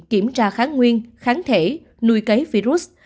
kiểm tra kháng nguyên kháng thể nuôi cấy virus